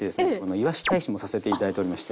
いわし大使もさせて頂いておりまして。